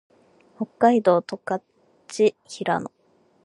北海道十勝平野